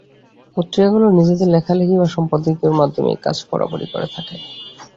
পত্রিকাগুলো নিজেদের লেখালেখি বা সম্পাদকীয়র মাধ্যমে এ কাজ বরাবরই করে থাকে।